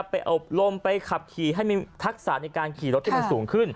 อบรมไปขับขี่ให้มีทักษะในการขี่รถที่มันสูงขึ้น